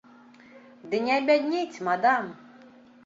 Ды не абяднець, мадам!